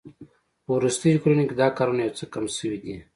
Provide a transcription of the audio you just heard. په وروستیو کلونو کې دا کارونه یو څه کم شوي دي